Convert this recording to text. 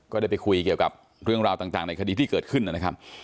ก็ได้ไปคุยเกี่ยวกับเรื่องราวต่างในคดีที่เกิดขึ้นนะครับ